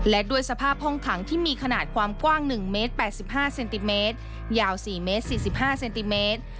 และด้วยสภาพห้องขังที่มีขนาดความกว้าง๑เมตร๘๕เซนติเมตรยาว๔เมตร๔๕เซนติเมตร